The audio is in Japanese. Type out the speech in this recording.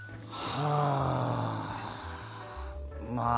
はあ。